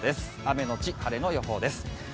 雨のち晴れの予報です。